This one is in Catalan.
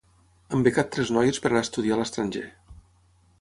Han becat tres noies per anar a estudiar a l'estranger.